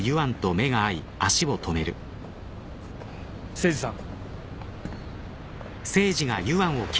誠司さん。